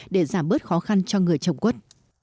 để giảm bớt khó khăn cho người trồng quất